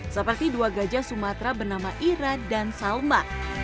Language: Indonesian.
seperti dua gajah sumatera bernama ira dan salma